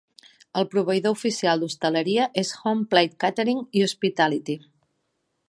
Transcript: El proveïdor oficial d'hostaleria és HomePlate Catering i Hospitality.